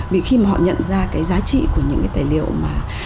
vì khi mà họ nhận ra cái giá trị của những cái tài liệu mà